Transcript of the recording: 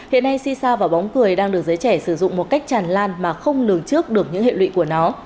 hiện nay si sao và bóng cười đang được giới trẻ sử dụng một cách tràn lan mà không lường trước được những hệ lụy của nó